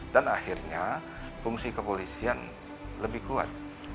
dan akhirnya fungsi kepolisian lebih kuat